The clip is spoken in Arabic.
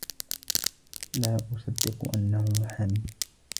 لا أصدق أنه محام.